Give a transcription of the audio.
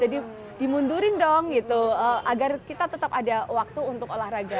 jadi dimundurin dong gitu agar kita tetap ada waktu untuk olahraga